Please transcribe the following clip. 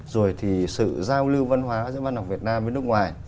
rồi thì sự giao lưu văn hóa giữa văn học việt nam với nước ngoài